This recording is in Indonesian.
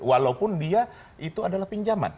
walaupun dia itu adalah pinjaman